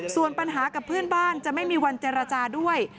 ส่วนปัญหากับเพื่อนบ้านจะไม่มีวันเจรจาด้วย